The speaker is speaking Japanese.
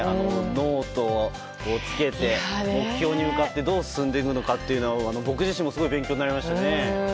ノートをつけて目標に向かってどう進んでいくのかというのは僕自身もすごい勉強になりましたね。